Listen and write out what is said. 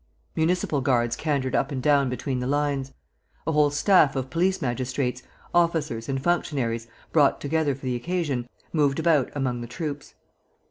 Municipal guards cantered up and down between the lines; a whole staff of police magistrates, officers and functionaries, brought together for the occasion, moved about among the troops.